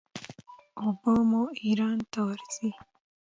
اوبه مو ایران ته ورځي.